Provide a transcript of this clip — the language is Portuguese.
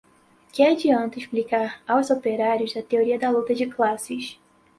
Que adianta explicar aos operários a teoria da luta de classes